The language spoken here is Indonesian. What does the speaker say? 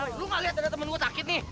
lu gak lihat ada temen gue sakit nih